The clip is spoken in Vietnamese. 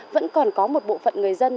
vẫn còn có một bộ phận người dân